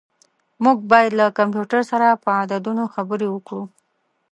موږ باید له کمپیوټر سره په عددونو خبرې وکړو.